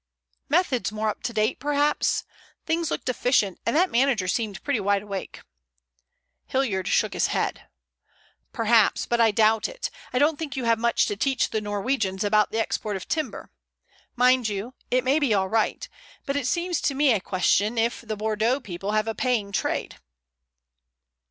"Methods more up to date perhaps. Things looked efficient, and that manager seemed pretty wide awake." Hilliard shook his head. "Perhaps, but I doubt it. I don't think you have much to teach the Norwegians about the export of timber. Mind you, it may be all right, but it seems to me a question if the Bordeaux people have a paying trade."